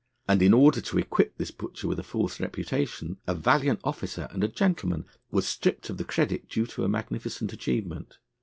And in order to equip this butcher with a false reputation, a valiant officer and gentleman was stripped of the credit due to a magnificent achievement.